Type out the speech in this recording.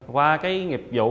qua cái nghiệp vụ